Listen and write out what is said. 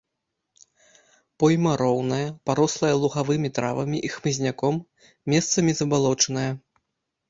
Пойма роўная, парослая лугавымі травамі і хмызняком, месцамі забалочаная.